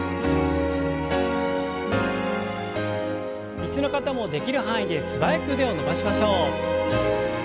椅子の方もできる範囲で素早く腕を伸ばしましょう。